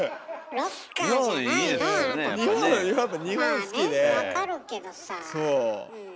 まあね分かるけどさあうん。